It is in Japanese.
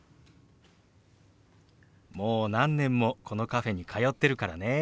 もう何年もこのカフェに通ってるからね。